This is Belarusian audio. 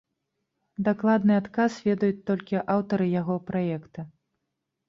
Дакладны адказ ведаюць толькі аўтары яго праекта.